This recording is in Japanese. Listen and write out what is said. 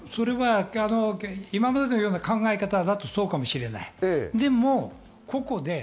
今までのような考え方だったらそうかもしれない。